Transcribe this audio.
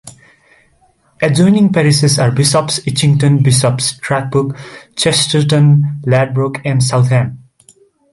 Adjoining parishes are Bishop's Itchington, Bishop's Tachbrook, Chesterton, Ladbroke and Southam.